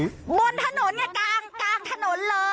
บนถนนไงกลางถนนเลย